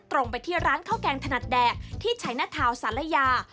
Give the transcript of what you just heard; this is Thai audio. ตรงไปที่ร้านข้าวแกงถนัดแดกที่ชัยหน้าทาวสารยา